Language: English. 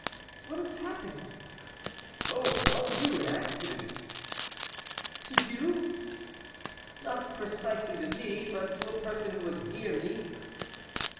"What has happened?" "Oh, mon Dieu! an accident." "To you?" "Not precisely to me, but to a person who was near me."